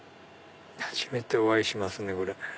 初めてお会いしますね。